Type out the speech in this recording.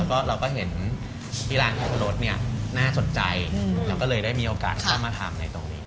ก็เราก็เห็นที่ร้านสับปะรดเนี่ยน่าสนใจเราก็เลยได้มีโอกาสเข้ามาทำในตรงนี้